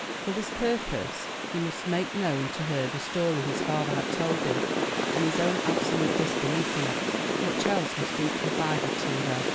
For this purpose he he must make known to her the story his father had told him, and his own absolute disbelief in it. Much else must be confided to her.